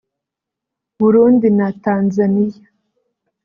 Burundi na Tanzaniya